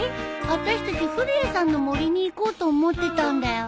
あたしたち古谷さんの森に行こうと思ってたんだよ。